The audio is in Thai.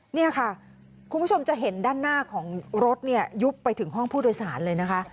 นี่ค่ะคุณผู้ชมจะเห็นด้านหน้าของรถเนี่ยยุบไปถึงห้องผู้โดยสารเลยนะคะ